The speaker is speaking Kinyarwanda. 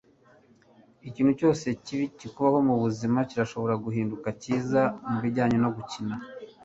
ikintu cyose kibi kikubaho mubuzima kirashobora guhinduka cyiza mubijyanye no gukina